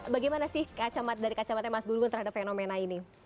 bagaimana sih dari kacamata mas gun gun terhadap fenomena ini